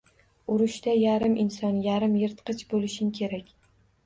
Urushda yarim inson, yarim yirtqich bo`lishing kerak